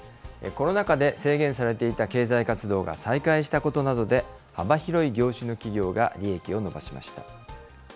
コロナ禍で制限されていた経済活動が再開したことなどで、幅広い業種の企業が利益を伸ばしました。